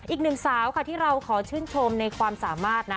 อีกหนึ่งสาวค่ะที่เราขอชื่นชมในความสามารถนะ